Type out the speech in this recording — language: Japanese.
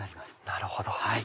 なるほど。